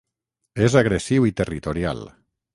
És agressiu i territorial.